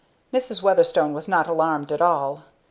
Mrs. Weatherstone was not alarmed at all.